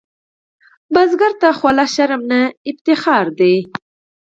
بزګر ته خوله شرم نه، افتخار دی